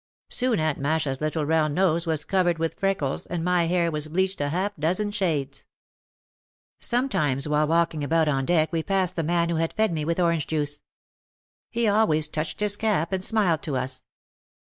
Soon Aunt Masha's little round nose was covered with freckles and my hair was bleached a half dozen shades. Sometimes while walking about on deck we passed the man who had fed me with orange juice. He always touched his cap and smiled to us.